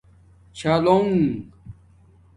چھالنگ